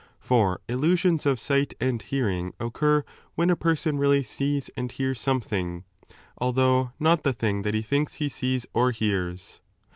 For illusions of sight and hearing occur when a person really sees and hears something, although not the thing that he thinks he sees or hears.